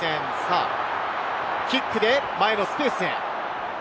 キックで前のスペースへ。